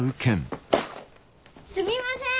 すみません